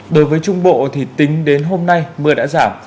đối với trung bộ thì tính đến hôm nay mưa đã giảm